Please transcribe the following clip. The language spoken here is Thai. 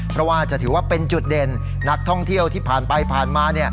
เพราะว่าจะถือว่าเป็นจุดเด่นนักท่องเที่ยวที่ผ่านไปผ่านมา